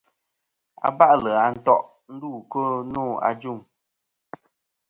Aba'lɨ à nto' ndu ku no.